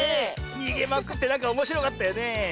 にげまくってなんかおもしろかったよね。